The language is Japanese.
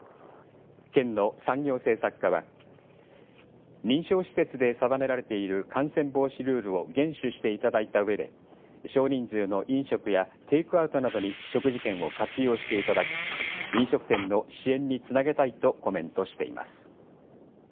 県の産業政策課は認証施設で定められている感染防止ルールを厳守していただいたうえで少人数の飲食やテイクアウトなどに食事券を活用していただき飲食店の支援につなげたいとコメントしています。